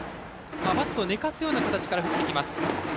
バットを寝かすような形から振ってきます。